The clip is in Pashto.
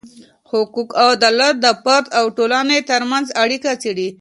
حقوق او عدالت د فرد او ټولني ترمنځ اړیکه څیړې.